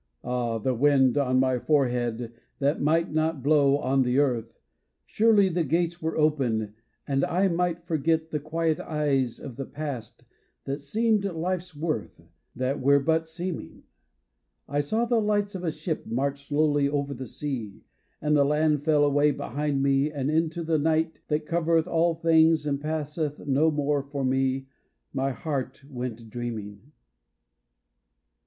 Ahl the wind on my forehead that might not blow on the earth, Surely the gates were open, and I might forget The quiet eyes of the past that seemed life's worth, That were but seeming. I saw the lights of a ship march slowly over the sea, And the land fell away behind me, and into the night That covereth all things and passeth no more for me, My heart went dreaming.